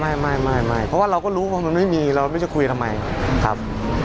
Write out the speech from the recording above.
ไม่ไม่เพราะว่าเราก็รู้ว่ามันไม่มีเราไม่รู้จะคุยทำไมครับ